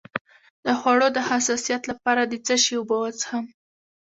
د خوړو د حساسیت لپاره د څه شي اوبه وڅښم؟